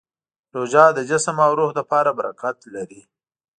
روژه د جسم او روح لپاره برکت لري.